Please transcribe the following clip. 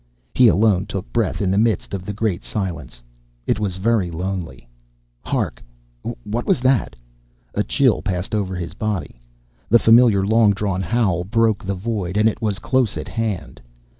He alone took breath in the midst of the great silence. It was very lonely. Hark! What was that? A chill passed over his body. The familiar, long drawn howl broke the void, and it was close at hand.